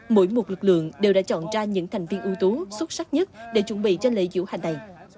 mỗi một lực lượng đều đã chọn ra những thành viên ưu tú xuất sắc nhất để chuẩn bị cho lễ diễu hành này